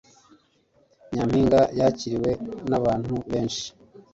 Nyampinga yakiriwe nabantu benshi